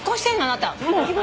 あなた。